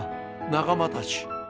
仲間たち！